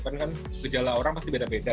karena kan gejala orang pasti beda beda